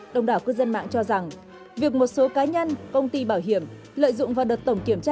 đồng đảo cư dân mạng cho rằng việc một số cá nhân công ty bảo hiểm lợi dụng vào đợt tổng kiểm tra